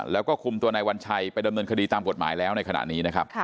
แล้วก็คุมตัวนายวัญชัยไปดำเนินคดีตามกฎหมายแล้วในขณะนี้นะครับ